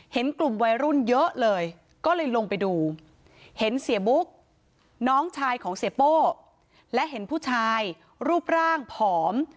เห็นกลุ่มวัยรุ่นเยอะเลยก็เลยลงไปดูเห็นเสียบุ๊กน้องชายของเสียโป้และเห็นผู้ชายรูปร่างผอม